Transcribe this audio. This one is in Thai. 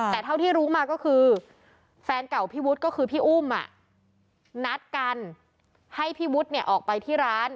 แต่เท่าที่รู้มาก็คือแฟนเก่าพี่วุฒิก็คือพี่อุ้มนัดกันให้พี่วุฒิเนี่ยออกไปที่ร้าน